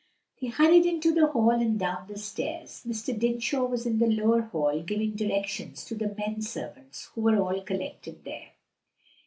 They hurried into the hall and down the stairs. Mr. Dinsmore was in the lower hall giving directions to the men servants, who were all collected there.